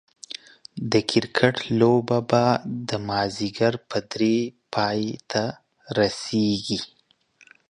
د کرکټ لوبه به دا ماځيګر په دري پايي ته رسيږي